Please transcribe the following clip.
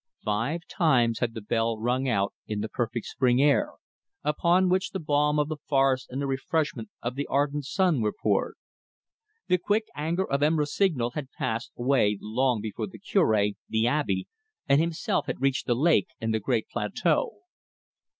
Five times had the bell rung out in the perfect spring air, upon which the balm of the forest and the refreshment of the ardent sun were poured. The quick anger of M. Rossignol had passed away long before the Cure, the Abbe, and himself had reached the lake and the great plateau.